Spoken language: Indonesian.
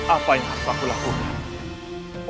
apa yang harus aku lakukan